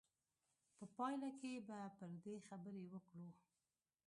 په پایله کې به پر دې خبرې وکړو.